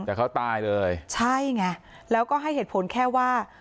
แต่เขาตายเลยใช่ไงแล้วก็ให้เหตุผลแค่ว่า